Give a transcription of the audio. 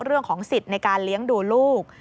เรื่องของสิทธิ์ในการเลี้ยงดูลูก